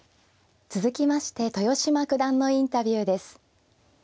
続きまして豊島九段のインタビューです。